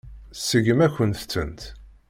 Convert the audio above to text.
Tseggem-akent-tent.